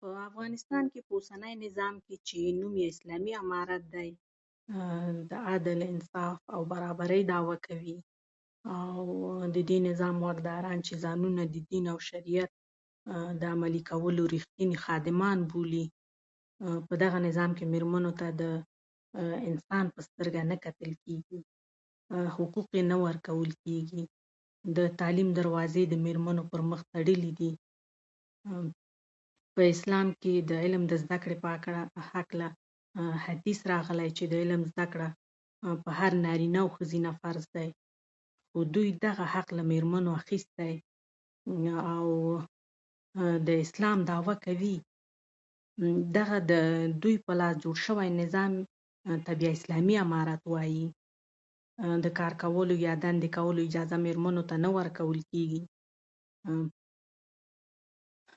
په افغانستان کې په اوسني نظام کې چې نوم یې اسلامي امارت دی، د عادل، انصاف او برابرۍ دعوه کوي او د دې نظام واکداران چې ځانونه د دين او شريعت د عملي کولو رښتيني خادمان بولي، په دغه نظام کې ميرمنو ته د انسان په سترګه نه کتل کېږي، حقوق یې نه ورکول کېږي، د تعليم دروازې یې د ميرمنو پر مخ تړلې دي. په اسلام کې د علم د زده کړې په هکله حديث راغلی دی چې د علم زده کړه پر هر نارينه او ښځينه فرض ده. دوی دغه حق له ميرمنو اخيستی او د اسلام دعوه کوي. دغه د دوی په لاس جوړ شوي نظام ته بيا اسلامي امارت وايي. د کار کولو يا دندې کولو اجازه ميرمنو ته نه ورکول کېږي.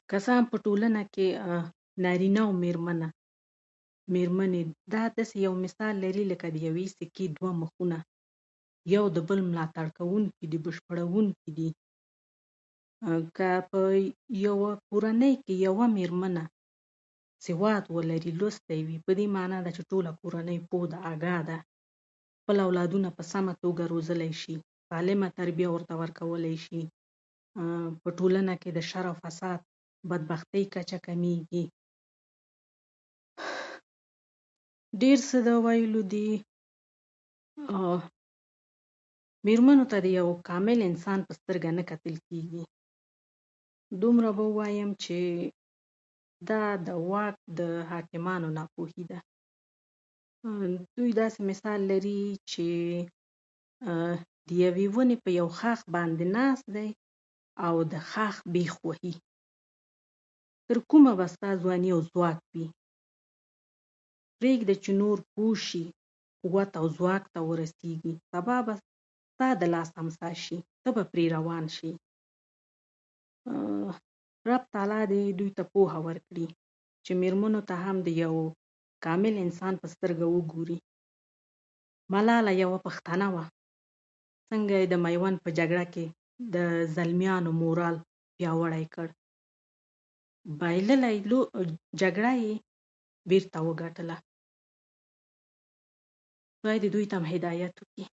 که څه هم په ټولنه کې نارينه او ميرمنه ميرمنې د داسې يو مثال لري لکه د يوې سکې دوه مخونه، يو د بل ملاتړ کوونکي دي، بشپړوونکي دي. که په يوه کورنۍ کې يوه ميرمنه سواد ولري، لوستې یې وي، په دې مانا چې ټوله کورنۍ پوهه ده، اګاه ده، خپل اولادونه په سمه توګه روزلی شي، سالمه تربيه ورته ورکولی شي. په ټولنه کې د شر او فساد، بدبختۍ کچه کمېږي. ډېر څه د وايلو دي. ميرمنو ته د يو کامل انسان په سترګه نه کتل کېږي. دومره به ووايم چې دا د واک د حاکمانو ناپوهي ده. دوی داسې مثال لري چې د يوې ونې په يو ښاخ باندې ناست دي او د ښاخ بېخ وهي. تر کومه به ستا ځواني او ځواک وي، پرېږده چې نور پوه شي، ودې او ځواک ته ورسېږي. سبا به ستا د لاسه امسا شي، ته به پرې روان شې. رب تعالی دې دوی ته پوهه ورکړي چې ميرمنو ته هم د يو کامل انسان په سترګه وګوري. ملاله يوه پښتنه وه، څنګه یې د ميوند په جګړه کې د زلميانو مورال پياوړی کړ، بایللې جګړه یې بېرته وګټله. خدای دې دوی ته هم هدايت وکړي.